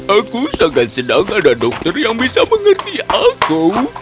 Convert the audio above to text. aku sangat senang ada dokter yang bisa mengerti aku